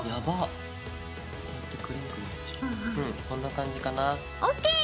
こんな感じかな。